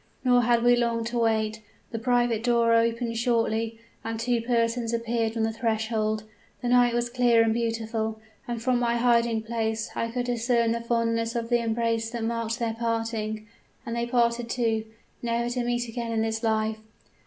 Nor had we long to wait. The private door opened shortly, and two persons appeared on the threshold. The night was clear and beautiful, and from my hiding place I could discern the fondness of the embrace that marked their parting. And they parted, too, never to meet again in this life!